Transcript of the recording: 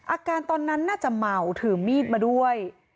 อาการตอนนั้นน่าจะเมาถือมีดมาด้วย